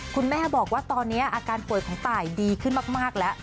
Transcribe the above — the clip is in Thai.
คุณแม่บอกว่าตอนนี้อาการป่วยของตายดีขึ้นมากแล้ว